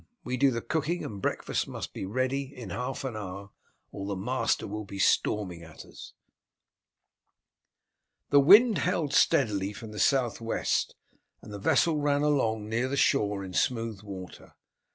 We do the cooking, and breakfast must be ready in half an hour, or the master will be storming at us." The wind held steadily from the south west, and the vessel ran along near the shore in smooth water.